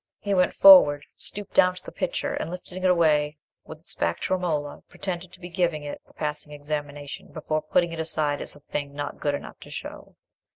He went forward, stooped down to the picture, and lifting it away with its back to Romola, pretended to be giving it a passing examination, before putting it aside as a thing not good enough to show.